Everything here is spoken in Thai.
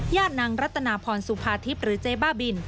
ญาตินางรัตนาพรสุภาธิบหรือเจ๊บ้าบิล